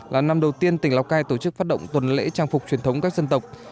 là năm đầu tiên tỉnh lào cai tổ chức phát động tuần lễ trang phục truyền thống các dân tộc